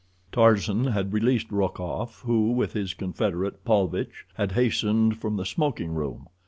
Tarzan had released Rokoff, who, with his confederate, Paulvitch, had hastened from the smoking room.